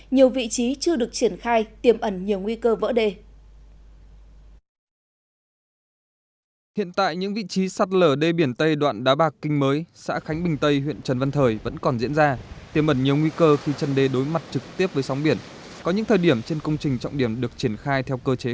nhiều vị trí chưa được triển khai tiêm ẩn nhiều nguy cơ vỡ đê